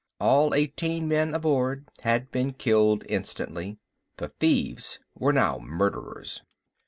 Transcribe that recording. All eighteen men aboard had been killed instantly. The thieves were now murderers.